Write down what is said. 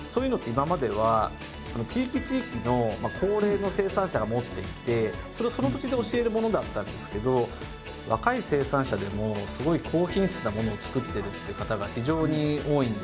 今までは地域地域の高齢の生産者が持っていてそれをその土地で教えるものだったんですけど若い生産者でもすごい高品質なものを作ってるって方が非常に多いんですよ。